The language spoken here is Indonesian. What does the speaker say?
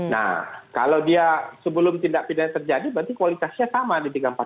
nah kalau dia sebelum tindak pidana terjadi berarti kualitasnya sama di tiga ratus empat puluh lima